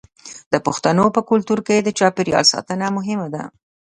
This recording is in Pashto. د پښتنو په کلتور کې د چاپیریال ساتنه مهمه ده.